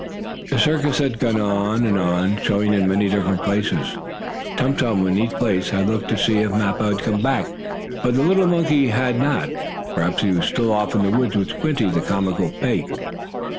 The circus had gone on and on, showing in many different places. Tum Tum, in each place, had looked to see if Mappo had come back, but the little monkey had not. Perhaps he was still off in the woods with Squinty, the comical pig.